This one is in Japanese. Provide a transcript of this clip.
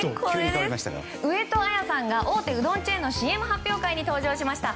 上戸彩さんが大手うどんチェーンのＣＭ発表会に登場しました。